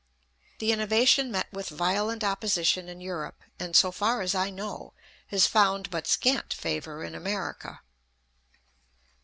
The innovation met with violent opposition in Europe, and, so far as I know, has found but scant favor in America.